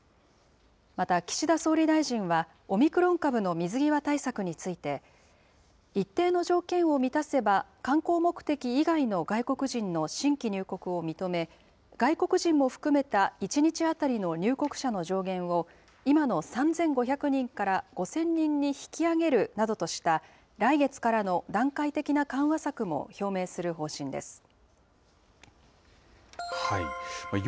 また、岸田総理大臣は、オミクロン株の水際対策について、一定の条件を満たせば、観光目的以外の外国人の新規入国を認め、外国人も含めた１日当たりの入国者の上限を、今の３５００人から５０００人に引き上げるなどとした来月からの段階的な緩和策も表明する方針です。